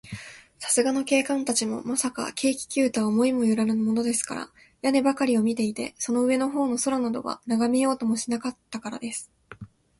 さすがの警官たちも、まさか、軽気球とは思いもよらぬものですから、屋根ばかりを見ていて、その上のほうの空などは、ながめようともしなかったからです。